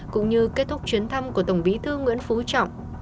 cũng như kết thúc chuyến thăm của tổng bí thư nguyễn phú trọng